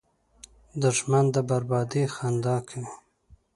دښمن د بربادۍ خندا کوي